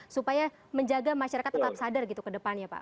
supaya menjaga masyarakat tetap sadar gitu ke depannya pak